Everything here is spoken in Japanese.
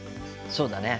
そうだね。